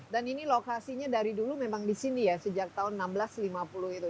dan ini lokasinya dari dulu memang di sini ya sejak tahun seribu enam ratus lima puluh itu